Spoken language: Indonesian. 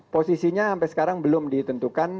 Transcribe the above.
posisinya sampai sekarang belum ditentukan